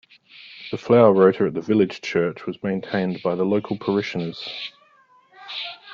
The flower rota at the village church was maintained by the local parishioners